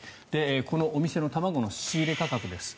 このお店の卵の仕入れ価格です。